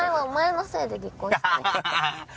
ハハハハ！